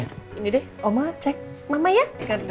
ini deh oma cek mama ya